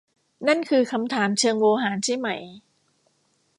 นั่นคือคำถามเชิงโวหารใช่ไหม ?